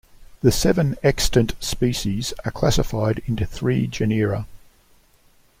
The seven extant species are classified into three genera.